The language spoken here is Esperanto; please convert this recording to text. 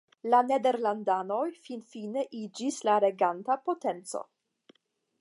La nederlandanoj finfine iĝis la reganta potenco.